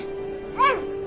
うん！